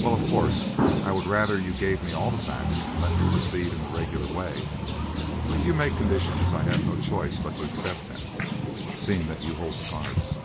Well, of course, I would rather you gave me all the facts and let me proceed in the regular way; but if you make conditions I have no choice but to accept them, seeing that you hold the cards."